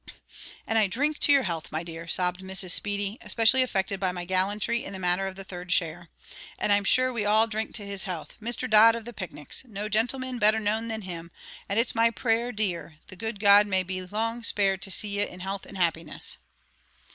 "And I dhrink to your health, my dear," sobbed Mrs. Speedy, especially affected by my gallantry in the matter of the third share; "and I'm sure we all dhrink to his health Mr. Dodd of the picnics, no gentleman better known than him; and it's my prayer, dear, the good God may be long spared to see ye in health and happiness!"